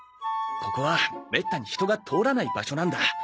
ここはめったに人が通らない場所なんだ。